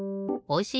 お！